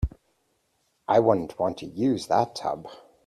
I wouldn't want to use that tub.